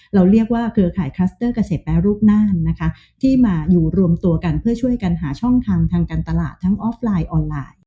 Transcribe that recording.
เราเรียกว่าเครือข่ายคลัสเตอร์เกษตรแปรรูปน่านนะคะที่มาอยู่รวมตัวกันเพื่อช่วยกันหาช่องทางทางการตลาดทั้งออฟไลน์ออนไลน์